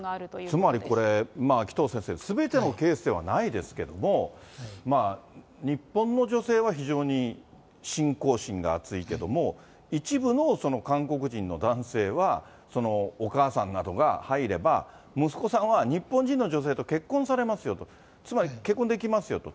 つまりこれ、紀藤先生、すべてのケースではないですけども、日本の女性は非常に信仰心が篤いけども、一部の韓国人の男性は、お母さんなどが入れば、息子さんは日本人の女性と結婚されますよと、つまり結婚できますよと。